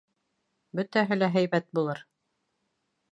Бөтәһе лә һәйбәт булыр!